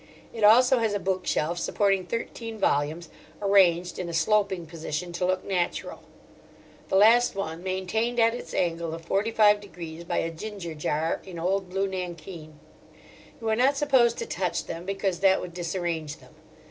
It also has a book shelf supporting thirteen volumes, arranged in a sloping position to look natural; the last one maintained at its angle of forty five degrees by a ginger jar in old blue Nankin. You are not supposed to touch them, because that would disarrange them.